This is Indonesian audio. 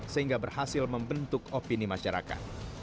sehingga berhasil membentuk opini masyarakat